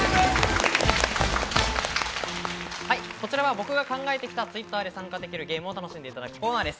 僕が考えてきたＴｗｉｔｔｅｒで参加できるゲームを楽しんでいただくコーナーです。